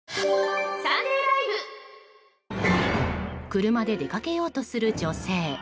車で出かけようとする女性。